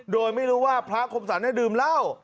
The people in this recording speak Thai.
โดยไม่รู้ว่าพระคมสรรดื่มเหล้า